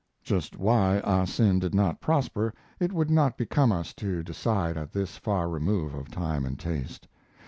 Just why "Ah Sin" did not prosper it would not become us to decide at this far remove of time and taste.